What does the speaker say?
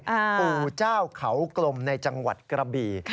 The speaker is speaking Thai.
ปู่เจ้าเขากลมในจังหวัดกระบี่